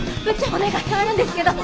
☎お願いがあるんですけど。